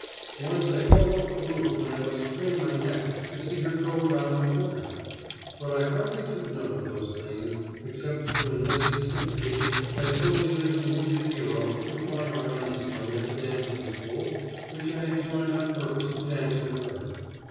Once I fell off the roof when I must crane my neck to see her go around the corner. But I hardly took note of those things, except to enlist her sympathy by posing as a wounded hero with my arm in a sling at the dancing school which I had joined on purpose to dance with her.